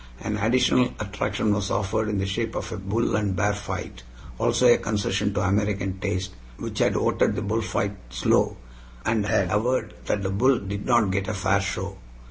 An additional attraction was offered in the shape of a bull and bear fight, also a concession to American taste, which had voted the bullfight "slow," and had averred that the bull "did not get a fair show."